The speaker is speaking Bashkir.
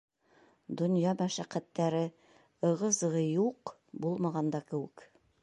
Донъя мәшәҡәттәре, ығы-зығы юҡ, булмаған да кеүек.